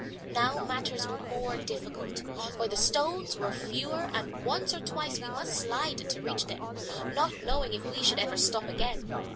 Now matters were more difficult, for the stones were fewer and once or twice we must slide to reach them, not knowing if we should ever stop again.